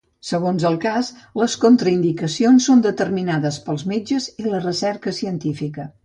Segons el cas les contraindicacions són determinades pels metges i la recerca científica.